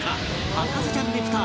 博士ちゃんねぷた